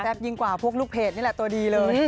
ยิ่งกว่าพวกลูกเพจนี่แหละตัวดีเลย